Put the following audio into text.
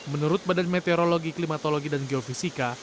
menurut badan meteorologi klimatologi dan geofisika